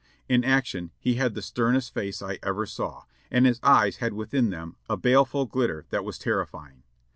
In action he had the sternest face I ever saw, and his eyes had within them a baleful glitter that was terrify ing.